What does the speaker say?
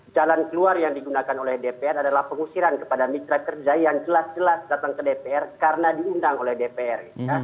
jalan keluar yang digunakan oleh dpr adalah pengusiran kepada mitra kerja yang jelas jelas datang ke dpr karena diundang oleh dpr